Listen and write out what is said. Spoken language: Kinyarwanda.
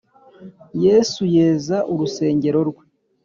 yesu yeza urusengero rwe